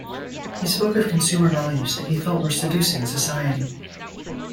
He spoke of consumer values that he felt were seducing society.